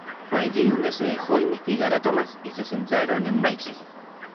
Fue allí donde se dejó de investigar a Thomas y se centraron en Michael.